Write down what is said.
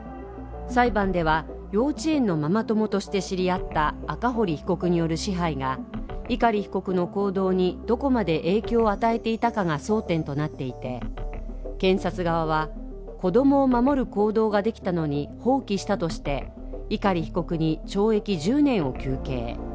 裁判では幼稚園のママ友として知り合った赤堀被告による支配が碇被告の行動にどこまで影響を与えていたかが争点となっていて検察側は、子供を守る行動ができたのに放棄したとして、碇被告に懲役１０年を求刑。